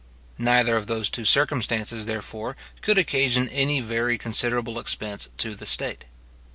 Neither of those two circumstances, therefore, could occasion any very considerable expense to the state.